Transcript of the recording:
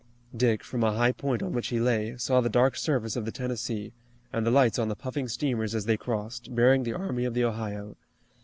Dick, from a high point on which he lay, saw the dark surface of the Tennessee, and the lights on the puffing steamers as they crossed, bearing the Army of the Ohio.